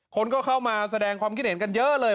คนก็เข้ามาแสดงความคิดเห็นกันเยอะเลย